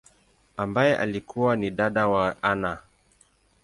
ambaye alikua ni dada wa Anna.